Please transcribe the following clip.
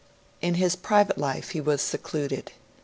In his private life he was secluded.